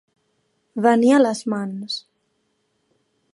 Venir a les mans.